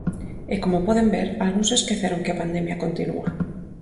E, como poden ver, algúns esqueceron que a pandemia continúa.